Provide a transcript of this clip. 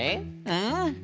うん。